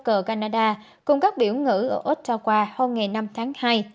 cờ canada cùng các biểu ngữ ở ottawa hôm năm tháng hai